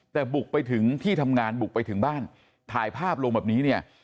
แต่บุกไปถึงที่ทำงานบุกไปถึงบ้านถ่ายภาพลงแบบนี้เนี่ย